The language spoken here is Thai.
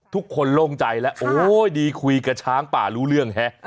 คนโล่งใจแล้วโอ้ยดีคุยกับช้างป่ารู้เรื่องฮะ